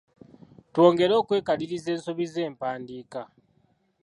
Twongere okwekaliriza ensobi z’empandiika.